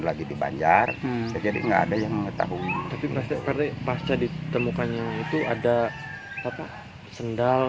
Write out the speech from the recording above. lagi di banjar jadi enggak ada yang mengetahui tapi pasti pasti ditemukan yang itu ada apa sendal